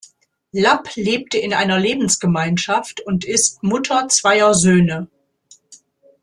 Lapp lebt in einer Lebensgemeinschaft und ist Mutter zweier Söhne.